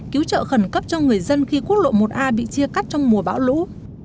cứu trợ khẩn cấp cho người dân khi quốc lộ một a bị chia cắt trong mùa bão lũ